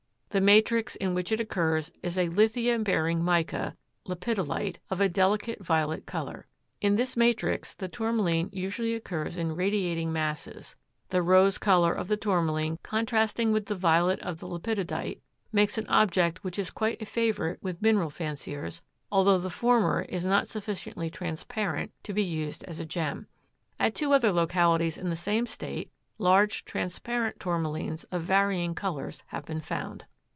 The matrix in which it occurs is a lithia bearing mica (lepidolite) of a delicate violet color. In this matrix the Tourmaline usually occurs in radiating masses. The rose color of the Tourmaline contrasting with the violet of the lepidolite makes an object which is quite a favorite with mineral fanciers, although the former is not sufficiently transparent to be used as a gem. At two other localities in the same State large transparent Tourmalines of varying colors have been found.